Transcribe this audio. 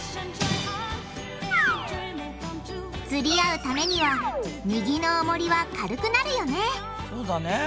つり合うためには右のおもりは軽くなるよねそうだね。